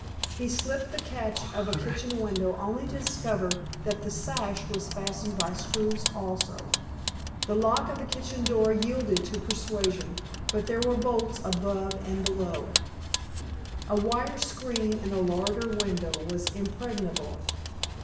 He slipped the catch of a kitchen window only to discover that the sash was fastened by screws also. The lock of the kitchen door yielded to persuasion, but there were bolts above and below. A wire screen in a larder window was impregnable.